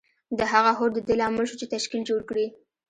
د هغه هوډ د دې لامل شو چې تشکیل جوړ کړي